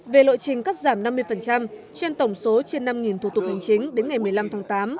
về lộ trình cắt giảm năm mươi trên tổng số trên năm thủ tục hành chính đến ngày một mươi năm tháng tám